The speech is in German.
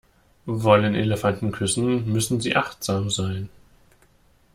Wollen Elefanten küssen, müssen sie achtsam sein.